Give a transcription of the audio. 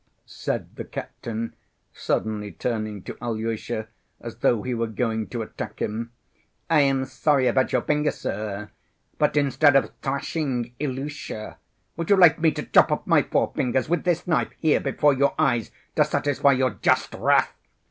said the captain, suddenly turning to Alyosha, as though he were going to attack him. "I am sorry about your finger, sir; but instead of thrashing Ilusha, would you like me to chop off my four fingers with this knife here before your eyes to satisfy your just wrath?